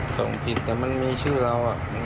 ส่งผิดแต่มันมีชื่อแล้วอ่ะ